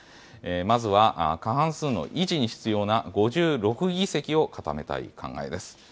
まずは、過半数の維持に必要な５６議席を固めたい考えです。